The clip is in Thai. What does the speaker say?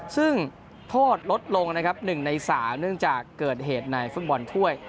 ซึ่งโทษลดลงนะครับ๑ใน๓เนื่องจากเกิดเหตุในฟุตบอลถ้วย